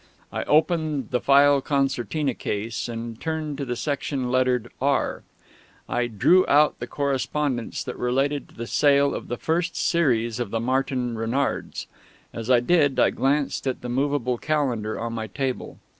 I opened the file concertina wise, and turned to the section lettered "R." I drew out the correspondence that related to the sale of the first series of the Martin Renards. As I did so I glanced at the movable calendar on my table.